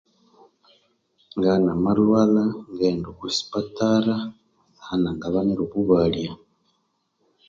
Ngaa namalhwalha ngaghenda oku sipattara hananga banira obubalya